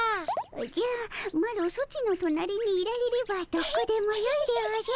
おじゃマロソチの隣にいられればどこでもよいでおじゃる。